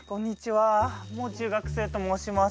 もう中学生と申します。